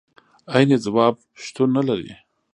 عيني ځواب شتون نه لري.